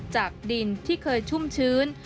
จากดินที่เคยชุ่มชื้น